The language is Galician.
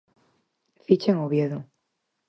Ficha en Oviedo.